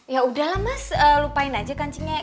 yaudah lah mas lupain aja kancingnya